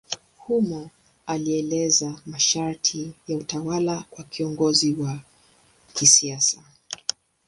Humo alieleza masharti ya utawala kwa kiongozi wa kisiasa.